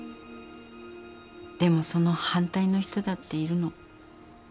でもその反対の人だっているの。